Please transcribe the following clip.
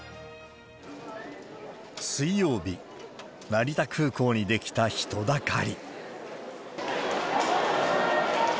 水曜日、成田空港に出来た人だかり。